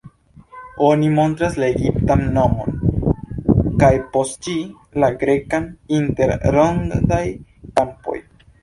Oni montras la egiptan nomon, kaj, post ĝi, la grekan inter rondaj-krampoj.